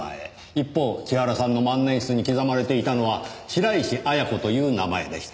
一方千原さんの万年筆に刻まれていたのは白石亜矢子という名前でした。